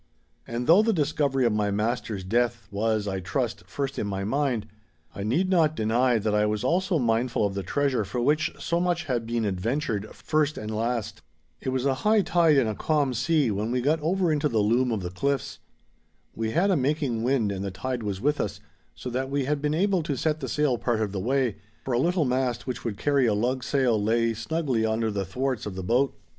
And though the discovery of my master's death was, I trust, first in my mind, I need not deny that I was also mindful of the treasure for which so much had been adventured first and last. It was a high tide and a calm sea when we got over into the loom of the cliffs. We had a making wind and the tide was with us, so that we had been able to set the sail part of the way—for a little mast which would carry a lug sail lay snugly under the thwarts of the boat.